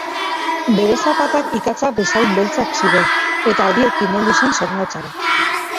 Bere zapatak ikatza bezain beltzak ziren eta horiekin heldu zen Zornotzara.